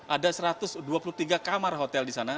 ada satu ratus dua puluh tiga kamar hotel di sana